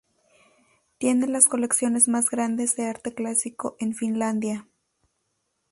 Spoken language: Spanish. Tiene las colecciones más grandes de arte clásico de Finlandia.